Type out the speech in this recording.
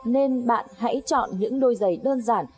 nên bạn hãy chọn những đôi giày đơn giản